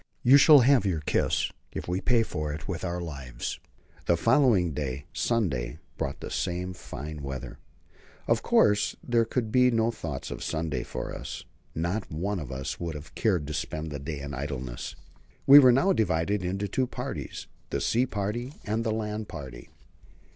You shall have your kiss, if we pay for it with our lives. The following day Sunday brought the same fine weather. Of course, there could now be no thought of Sunday for us. Not one of us would have cared to spend the day in idleness. We were now divided into two parties: the sea party and the land party.